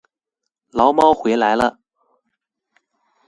牢猫回来了